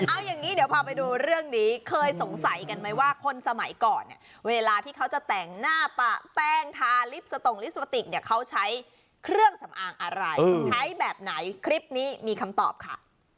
เอาอย่างนี้เดี๋ยวพาไปดูเรื่องนี้เคยสงสัยกันไหมว่าคนสมัยก่อนเนี่ยเวลาที่เขาจะแต่งหน้าปะแป้งทาลิปสตงลิปสติกเนี่ยเขาใช้เครื่องสำอางอะไรใช้แบบไหนคลิปนี้มีคำตอบค่ะ